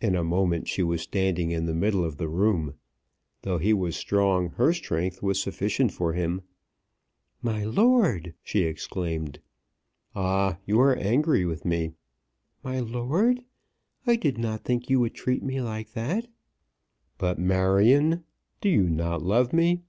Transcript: In a moment she was standing in the middle of the room. Though he was strong, her strength was sufficient for her. "My lord!" she exclaimed. "Ah, you are angry with me?" "My lord, my lord, I did not think you would treat me like that." "But, Marion; do you not love me?"